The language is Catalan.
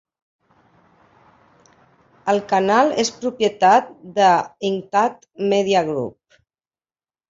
El canal és propietat de Intact Media Group.